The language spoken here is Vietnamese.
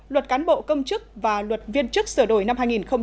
luật cán bộ công chức và luật viên chức sửa đổi năm hai nghìn một mươi ba